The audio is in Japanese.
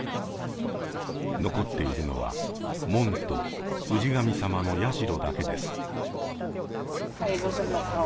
残っているのは門と氏神様の社だけです。